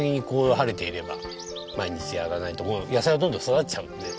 晴れていれば毎日やらないと野菜がどんどん育っちゃうんで。